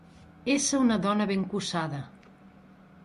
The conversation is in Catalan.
Ésser una dona ben cossada.